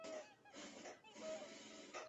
数学与系统科学学院成立同时撤销理学院。